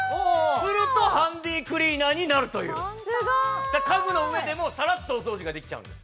するとハンディクリーナーになるという家具の上でもサラッとお掃除ができちゃうんです